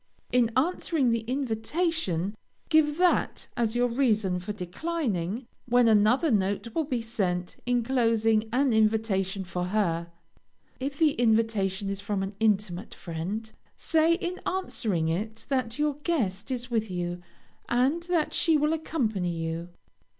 In answering the invitation give that as your reason for declining, when another note will be sent enclosing an invitation for her. If the invitation is from an intimate friend, say, in answering it, that your guest is with you, and that she will accompany you.